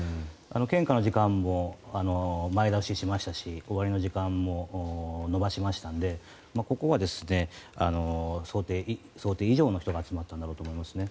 献花の時間も前倒ししましたし終わりの時間も伸ばしましたのでここは想定以上の人が集まったんだろうと思いますね。